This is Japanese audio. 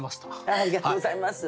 ありがとうございます。